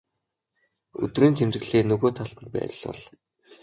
өдрийн тэмдэглэлээ нөгөө талд нь байрлуул.